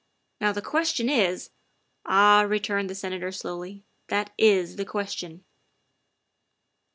Now the ques tion is " "Ah," returned the Senator slowly, " that is the question.